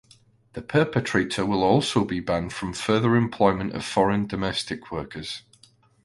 The perpetrator will also be banned from further employment of foreign domestic workers.